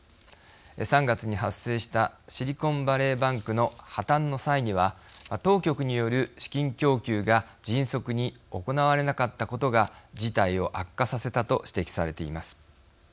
３月に発生したシリコンバレーバンクの破綻の際には当局による資金供給が迅速に行われなかったことが事態を悪化させたと指摘されています。